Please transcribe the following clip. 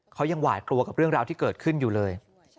เขายังหวาดกลัวกับเรื่องราวที่เกิดขึ้นอยู่เลย